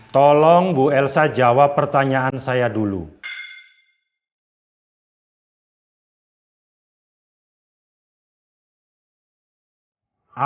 tolong bu elsa jawab pertanyaan saya dan saya akan berjaga jaga